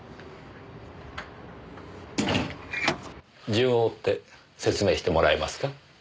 順を追って説明してもらえますか？